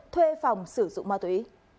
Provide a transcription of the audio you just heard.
thuê phòng sử dụng ma túy